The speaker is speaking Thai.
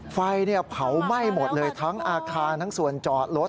ไฟเผาไหม้หมดเลยทั้งอาคารทั้งส่วนจอดรถ